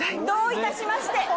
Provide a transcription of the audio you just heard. どういたしまして。